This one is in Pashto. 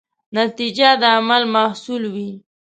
نتیجه د عمل محصول وي.